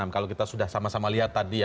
kalau kita sudah sama sama lihat tadi ya